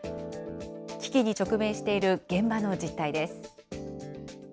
危機に直面している現場の実態です。